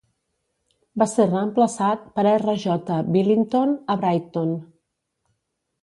Va ser reemplaçat per R. J. Billinton a Brighton.